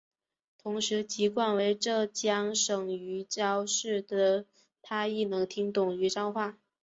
同时籍贯为浙江省余姚市的她亦能听懂余姚话。